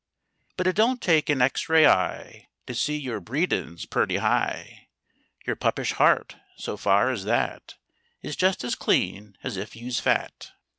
But it don't take an X ray eye To see your breedin's purty high— lour puppish heart, so far as that, Is just as clean as if you's fat.